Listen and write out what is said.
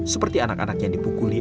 seperti anak anak yang dipukuli